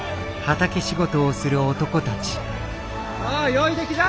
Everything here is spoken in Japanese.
・よい出来じゃ。